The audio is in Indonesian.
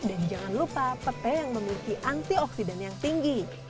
dan jangan lupa petai yang memiliki antioksidan yang tinggi